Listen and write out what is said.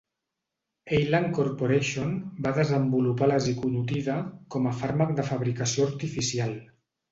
Elan Corporation va desenvolupar la ziconotida com a fàrmac de fabricació artificial.